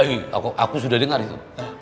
eh aku sudah dengar itu